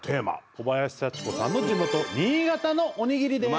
小林幸子さんの地元新潟のおにぎりです。